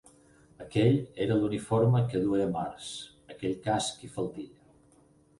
Aquell era l'uniforme que duia Mars, aquell casc i faldilla.